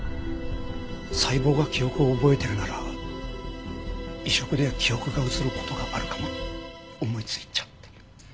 細胞が記憶を覚えてるなら移植で記憶が移る事があるかもって思いついちゃって。